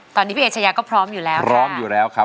ตอนนี้พี่เอชยาก็พร้อมอยู่แล้วค่ะ